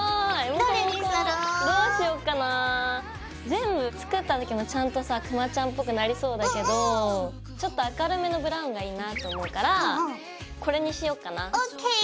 全部つけた時もちゃんとさクマちゃんぽくなりそうだけどちょっと明るめのブラウンがいいなと思うからこれにしようかな。